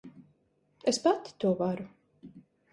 Es pati to varu.